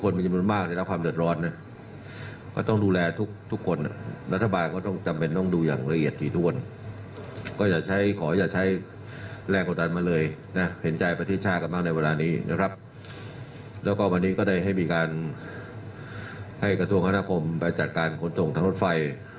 แล้วก็วันนี้ก็ได้ให้มีการให้กระทรวงคมนาคมไปจัดการขนส่งทางรถไฟ